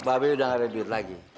bah be udah gak ada duit lagi